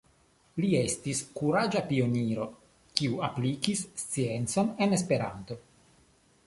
Li estis kuraĝa pioniro kiu aplikis sciencon en Esperanto.